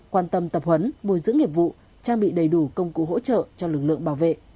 quan tâm tập huấn bồi dưỡng nghiệp vụ trang bị đầy đủ công cụ hỗ trợ cho lực lượng bảo vệ